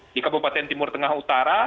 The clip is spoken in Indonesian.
di kabupaten timur tengah utara